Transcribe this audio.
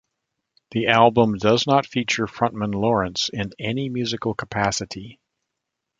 The album does not feature frontman Lawrence in any musical capacity.